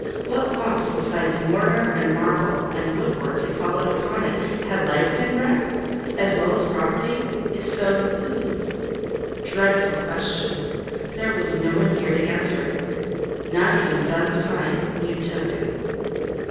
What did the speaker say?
What loss, besides mortar and marble and wood work had followed upon it? Had life been wrecked as well as property? If so, whose? Dreadful question: there was no one here to answer it—not even dumb sign, mute token.